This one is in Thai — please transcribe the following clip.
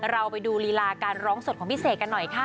เราไปดูลีลาการร้องสดของพี่เสกกันหน่อยค่ะ